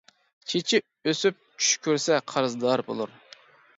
چېچى ئۆسۈپ چۈش كۆرسە قەرزدار بولۇر.